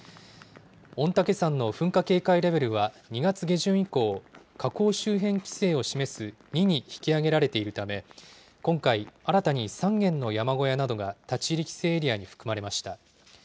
御嶽山の噴火警戒レベルは２月下旬以降、火口周辺規制を示す２に引き上げられているため、今回、新たに３軒の山小屋などが立ち入り規制エリアに含まれました。